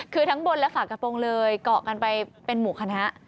คือทั้งบนและฝากระโปรงเลยเกาะกันไปเป็นหมู่คณะ